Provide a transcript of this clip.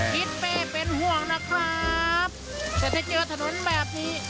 ทิศเป้เป็นห่วงนะครับแต่ถ้าเจอถนนแบบนี้